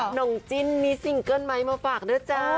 น้องจินมีซิงเกิ้ลไหมมาฝากด้วยจ้า